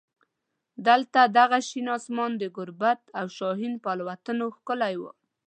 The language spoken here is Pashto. دلته دغه شین اسمان د ګوربت او شاهین په الوتنو ښکلی و.